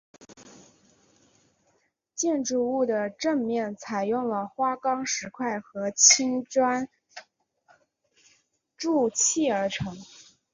建筑物的正面采用了花岗石块和青砖筑砌而成。